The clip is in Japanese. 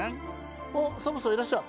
あサボさんいらっしゃい。